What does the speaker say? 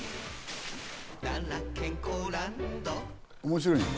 面白いね。